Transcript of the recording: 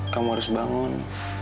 kamu harus bangun